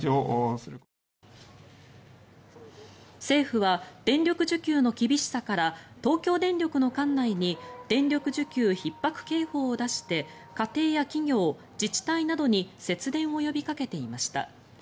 政府は電力需給の厳しさから東京電力の管内に電力需給ひっ迫警報を出して家庭や企業、自治体などに節電を呼びかけていました。